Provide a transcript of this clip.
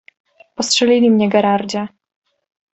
"Postrzelili mnie, Gerardzie."